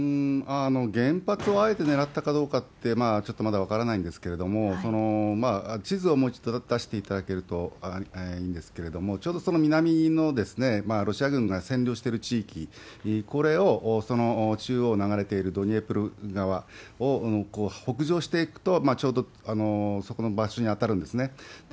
原発をあえて狙ったかどうかって、ちょっとまだ分からないんですけれども、地図をもう一度出していただけるといいんですけれども、ちょうどその南のロシア軍が占領してる地域、これをその中央を流れているドニプロ川北上していくと、ちょうどそこの場所に当たるんですね。